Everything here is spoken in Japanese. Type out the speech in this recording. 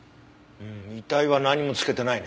遺体は何も着けてないね。